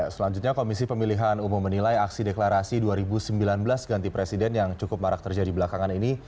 selanjutnya komisi pemilihan umum menilai aksi deklarasi dua ribu sembilan belas ganti presiden yang cukup marak terjadi belakangan ini